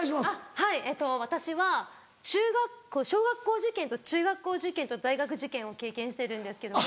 はい私は小学校受験と中学校受験と大学受験を経験してるんですけども。